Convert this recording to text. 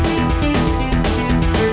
hebat banget ini